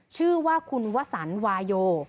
ชื่อว่าคุณวสันวาโย